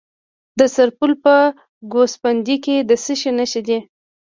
د سرپل په ګوسفندي کې د څه شي نښې دي؟